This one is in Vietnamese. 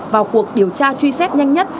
vào cuộc điều tra truy xét nhanh nhất